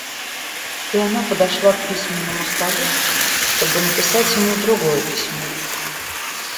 И она подошла к письменному столу, чтобы написать ему другое письмо.